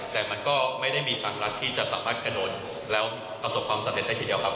แต่มันก็ไม่ได้มีฝั่งรัฐที่จะสามารถกระโดดแล้วประสบความสำเร็จได้ทีเดียวครับ